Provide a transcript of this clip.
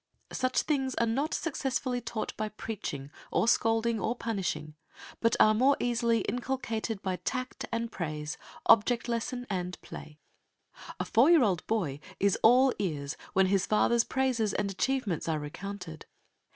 Such things are not successfully taught by preaching or scolding or punishing; but are more easily inculcated by tact and praise, object lesson and play. A four year old boy is all ears when his father's praises and achievements are recounted.